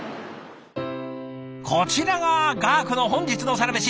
こちらが画伯の本日のサラメシ。